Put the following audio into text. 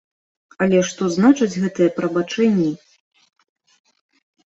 Але што значаць гэтыя прабачэнні?